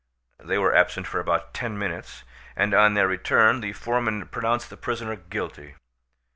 They were absent for about ten minutes, and on their return the foreman pronounced the prisoner guilty.